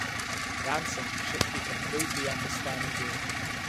Dancing should be completely understandable.